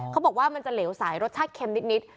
เขาบอกว่ามันจะเหลวสายรสชาติเค็มนิด